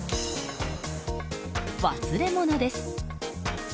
忘れ物です。